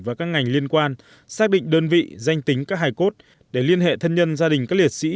và các ngành liên quan xác định đơn vị danh tính các hải cốt để liên hệ thân nhân gia đình các liệt sĩ